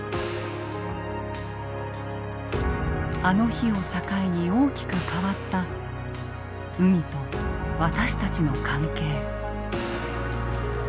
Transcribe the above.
あの日を境に大きく変わった海と私たちの関係。